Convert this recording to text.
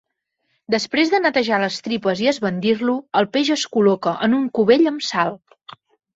Després de netejar les tripes i esbandir-lo, el peix es col·loca en un cubell amb sal.